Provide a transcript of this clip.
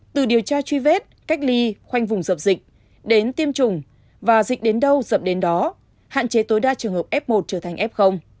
từ điều tra truy vết cách ly khoanh vùng dập dịch đến tiêm chủng và dịch đến đâu dẫn đến đó hạn chế tối đa trường hợp f một trở thành f